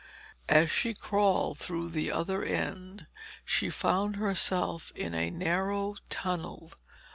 As she crawled through the other end, she found herself in a narrow tunnel.